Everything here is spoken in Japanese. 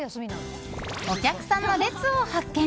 お客さんの列を発見！